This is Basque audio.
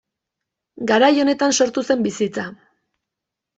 Garai honetan sortu zen bizitza.